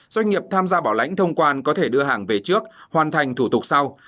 doanh nghiệp tham gia bảo lãnh thông quan có thể đưa hàng về trước hoàn thành thủ tục sau